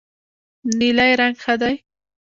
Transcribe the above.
نیلی رنګ ښه دی.